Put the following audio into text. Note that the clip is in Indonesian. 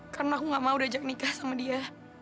karena aku nggak mau dajak nikah sama dia